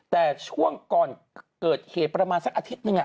แต่ช่วงก่อนเกิดเหตุประมาณสักอาทิตย์หนึ่ง